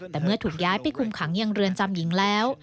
แต่เมื่อถูกย้ายไปคุมขังยังเรือนจำหญิงแล้ว